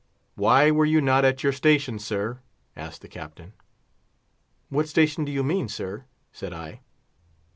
"Why were you not at your station, sir?" asked the Captain. "What station do you mean, sir?" said I.